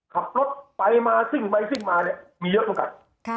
ขับรถไปมาซิ่งไปซิ่งมาเนี่ยมีเยอะเท่ากัน